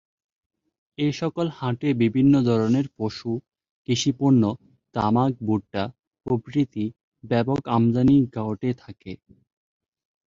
এ সকল হাটে বিভিন্ন ধরনের পশু, কৃষি পণ্য, তামাক, ভুট্টা প্রভৃতি ব্যাপক আমদানী ঘটে থাকে।